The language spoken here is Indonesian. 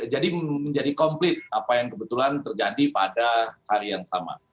jadi menjadi komplit apa yang kebetulan terjadi pada hari yang sama